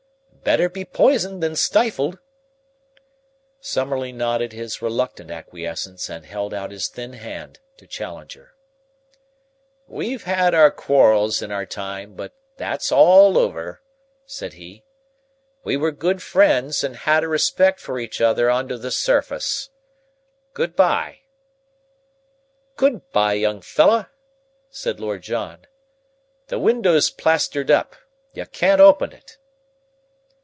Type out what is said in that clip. "Better be poisoned than stifled." Summerlee nodded his reluctant acquiescence and held out his thin hand to Challenger. "We've had our quarrels in our time, but that's all over," said he. "We were good friends and had a respect for each other under the surface. Good by!" "Good by, young fellah!" said Lord John. "The window's plastered up. You can't open it."